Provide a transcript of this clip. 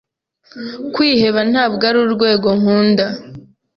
kwiheba ntabwo ari urwego nkunda